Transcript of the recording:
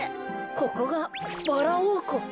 ここがバラおうこく。